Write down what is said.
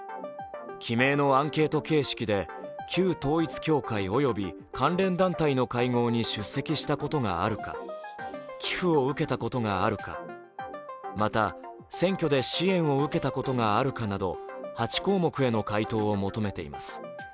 記名のアンケート形式で旧統一教会及び関連団体の会合に出席したことがあるか、寄付を受けたことがあるか、また、選挙で支援を受けたことがあるかなど、８項目への回答を求めています。